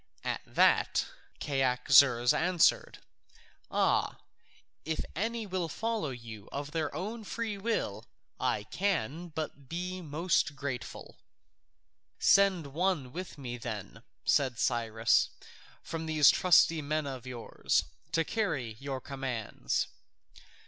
At that Cyaxares answered, "Ah, if any will follow you of their own free will, I can but be most grateful." "Send some one with me then," said Cyrus, "from these trusty men of yours, to carry your commands."